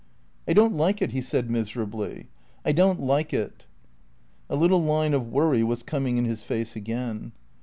"I don't like it," he said, miserably. "I don't like it." A little line of worry was coming in his face again.